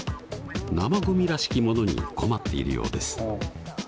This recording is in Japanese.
生ゴミらしきものに困っているようです。